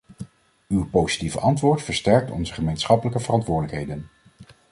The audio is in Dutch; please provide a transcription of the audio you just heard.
Uw positieve antwoord versterkt onze gezamenlijke verantwoordelijkheden.